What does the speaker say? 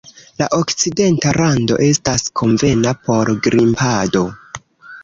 La Okcidenta rando estas konvena por grimpado.